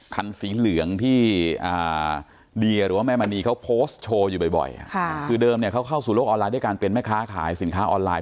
คือเดิมเนี้ยเขาเข้าสู่โลกออนไลน์ได้การเป็นแม่ค้าขายสินค้าออนไลน์